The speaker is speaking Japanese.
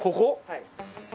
はい。